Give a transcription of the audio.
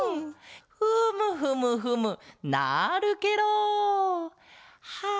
フムフムフムなるケロ！はあ